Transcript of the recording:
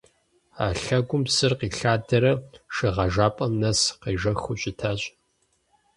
А лъэгум псыр къилъадэрэ шыгъэжапӏэм нэс къежэхыу щытащ.